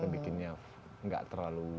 bikinnya nggak terlalu